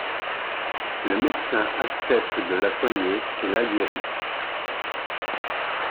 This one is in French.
Le médecin accepte de la soigner et la guérit.